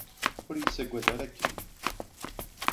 Ur yi-ssagad ara akken!